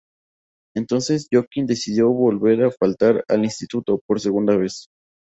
Entonces Jokin decidió volver a faltar al instituto, por segunda vez.